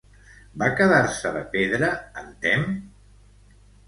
Va quedar-se de pedra en Temme?